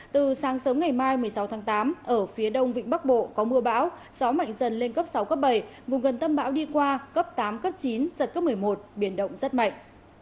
từ sáng sớm ngày mai một mươi sáu tháng tám ở phía đông vịnh bắc bộ có mưa bão gió mạnh dần lên cấp sáu cấp bảy vùng gần tâm bão đi qua cấp tám cấp chín giật cấp một mươi một biển động rất mạnh